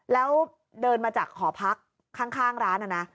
แล้วเดินมาจากหอพักข้างร้านนะนะ